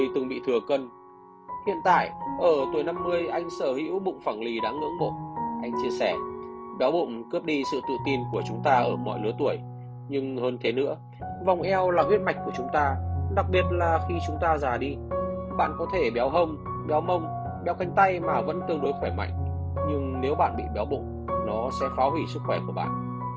hiện tại ở tuổi năm mươi anh sở hữu bụng phẳng lì đáng ngưỡng mộ anh chia sẻ béo bụng cướp đi sự tự tin của chúng ta ở mọi lứa tuổi nhưng hơn thế nữa vòng eo là huyết mạch của chúng ta đặc biệt là khi chúng ta già đi bạn có thể béo hông béo mông béo cánh tay mà vẫn tương đối khỏe mạnh nhưng nếu bạn bị béo bụng nó sẽ phá hủy sức khỏe của bạn